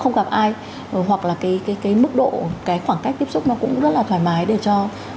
không ai hoặc là cái cái cái mức độ cái khoảng cách tiếp xúc nó cũng rất là thoải mái để cho